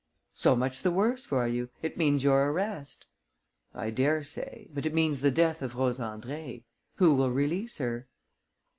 "So much the worse for you. It means your arrest." "I dare say; but it means the death of Rose Andrée. Who will release her?"